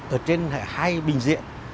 ở trên hai bình diện